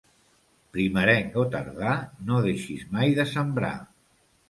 Primerenc o tardà, no deixis mai de sembrar.